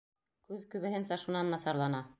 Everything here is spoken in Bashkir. Күҙ күбеһенсә шунан насарлана.